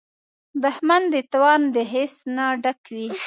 دښمن د تاوان د حس نه ډک وي